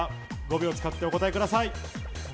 ５秒使ってお答えください。